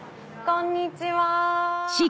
こんにちは。